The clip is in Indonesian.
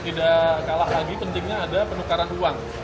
tidak kalah lagi pentingnya ada penukaran uang